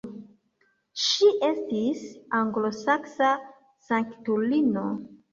Ŝi estis anglosaksa sanktulino.